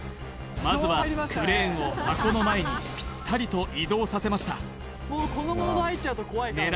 まずはクレーンを箱の前にピッタリと移動させましたいきます